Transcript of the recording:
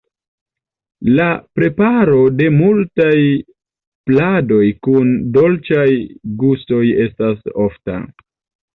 La preparo de multaj pladoj kun dolĉaj gustoj estas ofta.